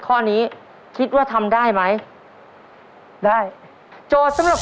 โอ้โอ้